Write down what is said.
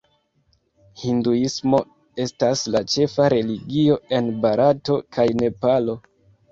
Hinduismo estas la ĉefa religio en Barato kaj Nepalo.